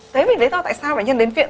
tế bệnh lý do tại sao bệnh nhân đến viện